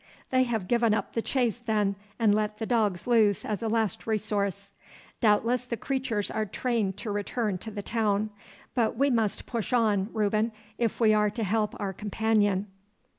'They have given up the chase, then, and let the dogs loose as a last resource. Doubtless the creatures are trained to return to the town. But we must push on, Reuben, if we are to help our companion.